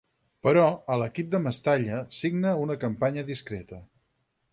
Però, a l'equip de Mestalla signa una campanya discreta.